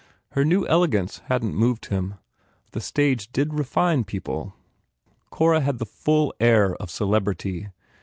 Her new elegance hadn t moved him. The stage did refine people! Cora had the full air of celebrity.